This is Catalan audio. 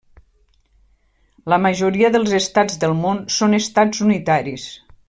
La majoria dels Estats del món són Estats unitaris.